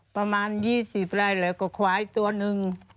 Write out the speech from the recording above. ประมาณยี่สิบไร่แล้วก็ควายตัวหนึ่ง